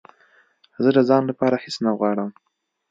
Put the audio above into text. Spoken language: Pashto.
زه د ځان لپاره هېڅ نه غواړم